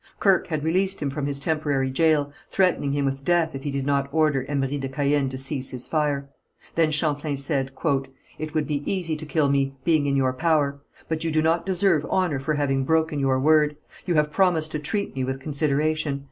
Kirke had released him from his temporary jail, threatening him with death if he did not order Emery de Caën to cease his fire. Then Champlain said: "It would be easy to kill me, being in your power. But you do not deserve honour for having broken your word. You have promised to treat me with consideration.